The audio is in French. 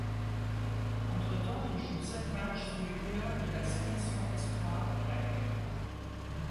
Entre-temps, il joue sept matchs sous les couleurs de la sélection espoirs grecque.